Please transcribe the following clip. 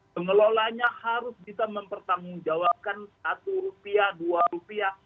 pengelolanya harus bisa mempertanggung jawabkan satu rupiah dua rupiah